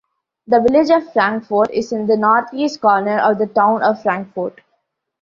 The Village of Frankfort is in the northeast corner of the Town of Frankfort.